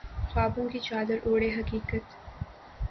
خوابوں کی چادر اوڑھے حقیقت